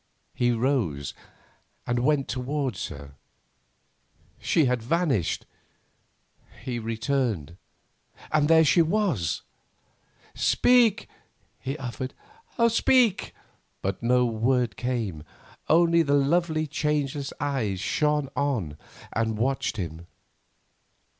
He rose and went towards her. She had vanished. He returned, and there she was. "Speak!" he muttered; "speak!" But no word came, only the lovely changeless eyes shone on and watched him.